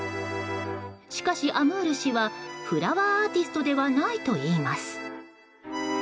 しかし、アムール氏はフラワーアーティストではないといいます。